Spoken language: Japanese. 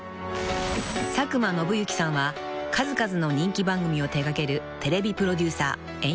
［佐久間宣行さんは数々の人気番組を手掛けるテレビプロデューサー・演出家］